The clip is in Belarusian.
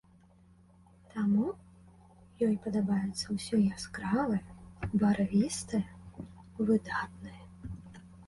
Таму ёй падабаецца ўсё яскравае, барвістае, выдатнае.